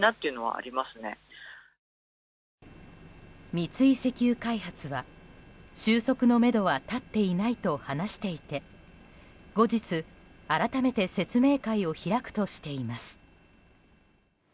三井石油開発は収束のめどは立っていないと話していて後日、改めて説明会を開くとしています。